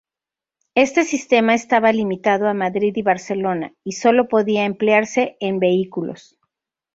Este sistema estaba limitado a Madrid y Barcelona, y sólo podía emplearse en vehículos.